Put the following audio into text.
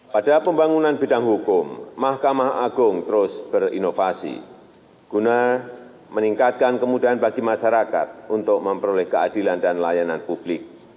pada pembangunan bidang hukum mahkamah agung terus berinovasi guna meningkatkan kemudahan bagi masyarakat untuk memperoleh keadilan dan layanan publik